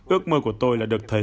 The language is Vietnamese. ước mơ của tôi là được thấy